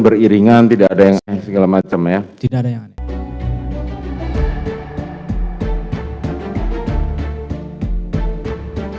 beriringan tidak ada yang segala macam ya